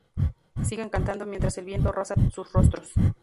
Siguen cantando mientras el viento roza sus rostros.